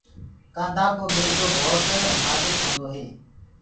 ڪآنڌآ ڪو ٻيجو ڀوت نآجُڪ هوندو هي۔